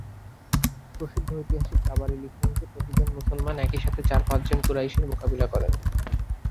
প্রসিদ্ধ ঐতিহাসিক তাবারী লিখেন যে, প্রতিজন মুসলমান একই সাথে চার-পাঁচজন কুরাইশের মোকাবিলা করেন।